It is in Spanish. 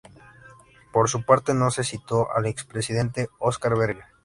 Por su parte, no se citó al expresidente Óscar Berger.